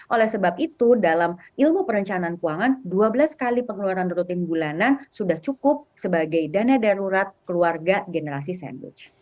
oleh sebab itu dalam ilmu perencanaan keuangan dua belas kali pengeluaran rutin bulanan sudah cukup sebagai dana darurat keluarga generasi sandwich